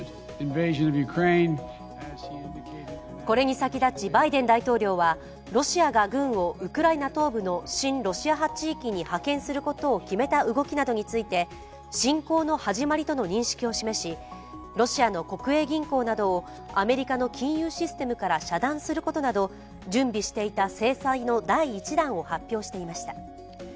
これに先立ち、バイデン大統領はロシアが軍をウクライナ東部の親ロシア派地域に派遣することを決めた動きなどについて侵攻の始まりとの認識を示しロシアの国営銀行などをアメリカの金融システムから遮断することなど準備していた制裁の第１弾を発表していました。